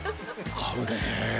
合うねぇ！